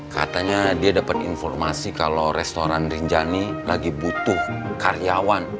katanya dia dapat informasi kalau restoran rinjani lagi butuh karyawan